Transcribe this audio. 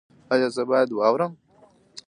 ایا زه باید واورم؟